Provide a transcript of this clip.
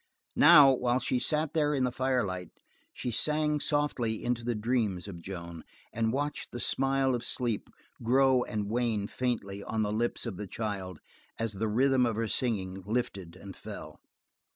Now, while she sat there in the firelight, she sang softly into the dreams of Joan, and watched the smile of sleep grow and wane faintly on the lips of the child as the rhythm of her singing lifted and fell.